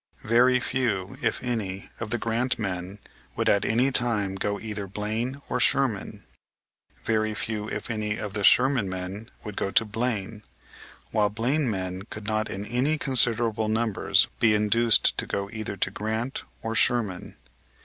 Very few, if any, of the Grant men would at any time go to either Blaine or Sherman. Very few, if any, of the Sherman men would go to Blaine, while Blaine men could not in any considerable numbers, be induced to go either to Grant or Sherman.